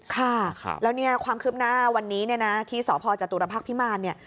ค่ะแล้วเนี่ยความคืบหน้าวันนี้ที่สพจพพิมารเนี่ย